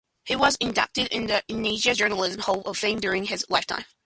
He was inducted into the Indiana Journalism Hall of Fame during his lifetime.